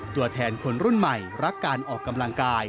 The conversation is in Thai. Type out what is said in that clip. ตัวแทนคนรุ่นใหม่รักการออกกำลังกาย